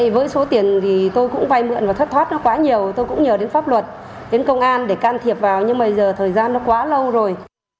với số tiền thì tôi cũng vay mượn và thất thoát nó quá nhiều tôi cũng nhờ đến pháp luật đến công an để can thiệp vào nhưng bây giờ thời gian nó quá lâu rồi